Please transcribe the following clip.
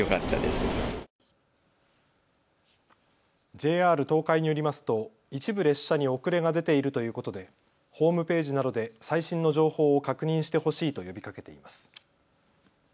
ＪＲ東海によりますと一部列車に遅れが出ているということでホームページなどで最新の情報を確認してほしいと呼びかけています。